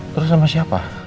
terus sama siapa